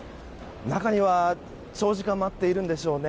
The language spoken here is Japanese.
中には、長時間待っているんでしょうね。